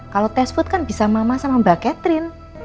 kalau test food kan bisa mama sama mbak catherine